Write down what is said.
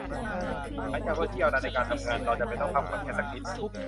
หลังจากวันที่ยาวนานในการทำงาน เราจำเป็นต้องพักผ่อนแค่สักนิด